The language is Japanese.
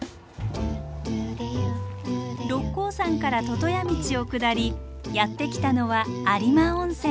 六甲山から魚屋道を下りやって来たのは有馬温泉。